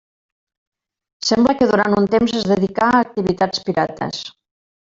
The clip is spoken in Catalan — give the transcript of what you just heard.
Sembla que durant un temps es dedicà a activitats pirates.